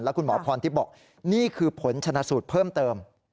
คุณหมอพรทิพย์บอกนี่คือผลชนะสูตรเพิ่มเติม